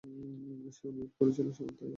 সে অনুরোধ করেছিল, তাই আমরা করেছি।